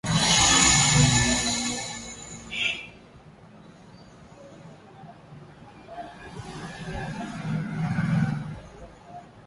These ventures create employment opportunities, stimulate consumer spending, and contribute to overall economic expansion.